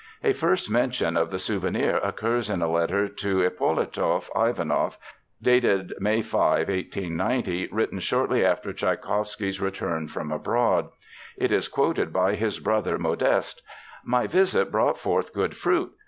A first mention of the Souvenir occurs in a letter to Ippolitoff Ivanoff dated May 5, 1890, written shortly after Tschaikowsky's return from abroad. It is quoted by his brother Modeste: "My visit brought forth good fruit.